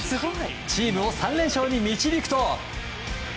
チームを３連勝に導くと。